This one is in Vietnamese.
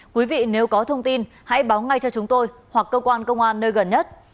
quý vị nếu có thông tin hãy báo ngay cho chúng tôi hoặc cơ quan công an nơi gần nhất